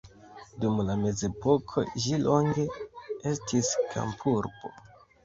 Dum la mezepoko ĝi longe estis kampurbo.